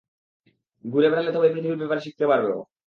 ঘুরে বেড়ালে তবেই পৃথিবীর ব্যাপারে শিখতে পারবে ও।